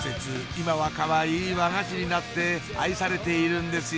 今はかわいい和菓子になって愛されているんですよ